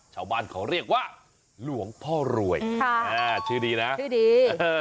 ชาวบ้านเขาเรียกว่าหลวงพ่อรวยชื่อดีนะชื่อดี